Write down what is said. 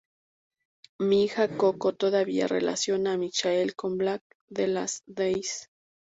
Mi hija Coco todavía relaciona a Michael con Blake de "Last Days"".